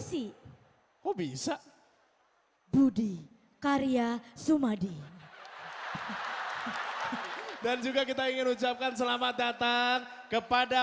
k nom kristoi misi oh bisa budi karya sumadi dan juga kita ingin ucapkan selamat datang kepada